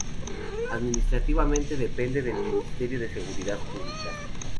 Administrativamente depende del Ministerio de Seguridad Pública.